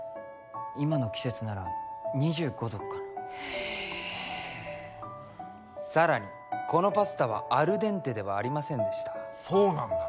今の季節なら２５度かな・へさらにこのパスタはアルデンテではありませんでしたそうなんだ